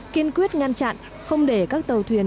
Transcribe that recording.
kiên quyết ngăn chặn không để các tàu thuyền